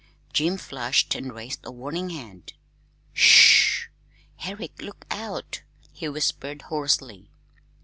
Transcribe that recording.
Jim flushed and raised a warning hand. "Sh h! Herrick, look out!" he whispered hoarsely.